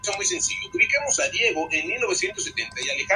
Su paisaje se caracteriza por los siempre verdes campos de regadío.